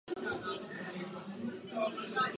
Připsala si tak jeden milion dolarů.